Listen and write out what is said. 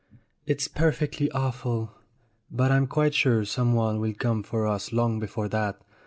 "It's perfectly awful. But I'm quite sure someone will come for us long before that.